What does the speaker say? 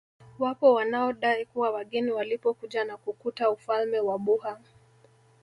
Wapo wanaodai kuwa wageni walipokuja na kukuta ufalme wa Buha